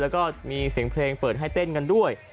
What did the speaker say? แล้วก็มีเสียงเพลงเปิดให้เต้นกันด้วย